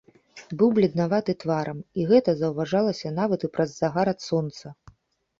Быў бледнаваты тварам, і гэта заўважалася нават і праз загар ад сонца.